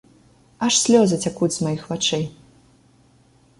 Аж слёзы цякуць з маіх вачэй.